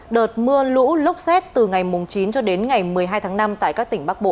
đợt mưa lũ lốc xét từ ngày chín cho đến ngày một mươi hai tháng năm tại các tỉnh bắc bộ